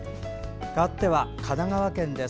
かわっては神奈川県です。